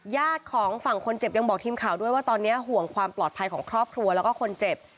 ญาติของฝั่งคนเจ็บยังบอกทีมข่าวด้วยว่าตอนนี้ห่วงความปลอดภัยของครอบครัวแล้วก็คนเจ็บ